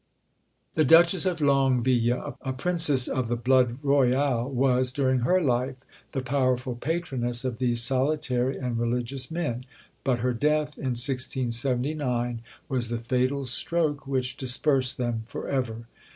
The Duchess of Longueville, a princess of the blood royal, was, during her life, the powerful patroness of these solitary and religious men: but her death, in 1679, was the fatal stroke which dispersed them for ever.